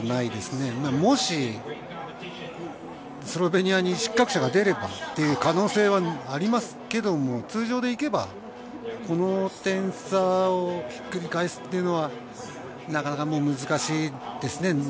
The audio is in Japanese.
もしスロベニアに失格者が出ればっていう可能性はありますけども、通常でいけば、この点差をひっくり返すっていうのはなかなかもう難しいですね。